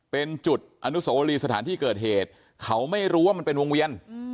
เป็นจุดอนุโสรีสถานที่เกิดเหตุเขาไม่รู้ว่ามันเป็นวงเวียน